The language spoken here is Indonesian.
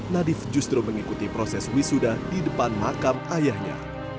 nadif justru mengikuti proses wisuda di depan makam ayahnya